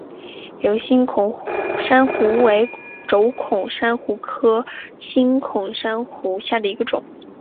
疣星孔珊瑚为轴孔珊瑚科星孔珊瑚下的一个种。